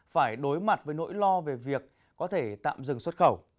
phải đối mặt với nỗi lo về việc có thể tạm dừng xuất khẩu